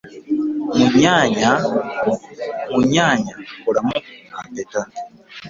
Mu nnyaanya kolamu apeta.